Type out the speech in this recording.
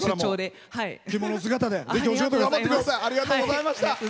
着物姿でお仕事、頑張ってください。